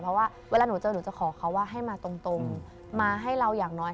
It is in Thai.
เพราะว่าเวลาหนูเจอหนูจะขอเขาว่าให้มาตรงมาให้เราอย่างน้อย